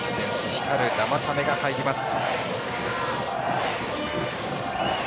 光る生田目が入ります。